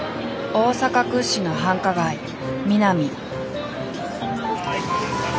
大阪屈指の繁華街ミナミ。